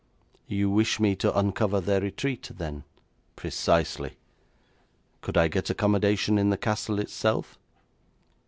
'You wish me to uncover their retreat, then?' 'Precisely.' 'Could I get accommodation in the castle itself?'